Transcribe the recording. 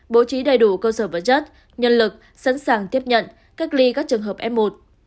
bố trí đầy đủ cơ sở vật chất nhân lực sẵn sàng tiếp nhận cách ly các trường hợp f một